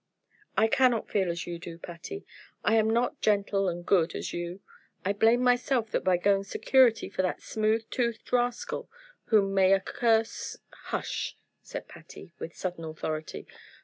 "I cannot feel as you do, Patty. I am not gentle and good as you. I blame myself that by going security for that smooth tongued rascal, whom may a curse " "Hush!" said Patty, with sudden authority.